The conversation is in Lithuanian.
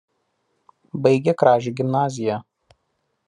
Baigė Kražių gimnaziją.